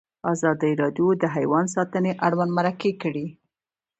ازادي راډیو د حیوان ساتنه اړوند مرکې کړي.